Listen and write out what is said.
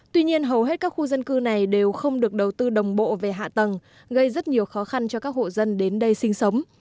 tuy nhiên hầu hết các khu dân cư này đều không được đầu tư đồng bộ về hạ tầng gây rất nhiều khó khăn cho các hộ dân đến đây sinh sống